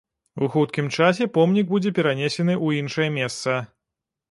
У хуткім часе помнік будзе перанесены ў іншае месца.